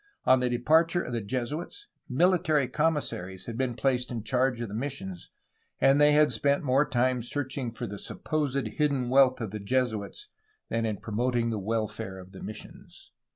On the departure of the Jesuits, military commissaries had been placed in charge of the missions, and they had spent more time searching for the supposed hidden wealth of the Jesuits than in promoting the welfare of the missions.